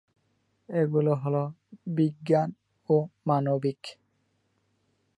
এগুলো হলঃ বিজ্ঞান ও মানবিক।